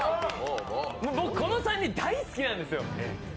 僕、この３人、大好きなんですよ。